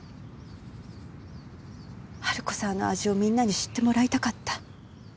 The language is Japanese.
春子さんの味をみんなに知ってもらいたかった。